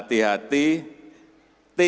akan dengan hati hati